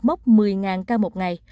mốc một mươi ca một ngày